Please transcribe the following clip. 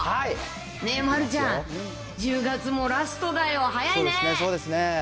丸ちゃん、１０月もラストだよ、早いね。